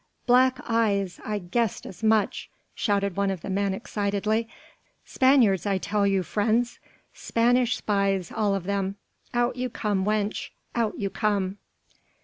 "Black eyes! I guessed as much!" shouted one of the men excitedly. "Spaniards I tell you, friends! Spanish spies all of them! Out you come, wench! out you come!"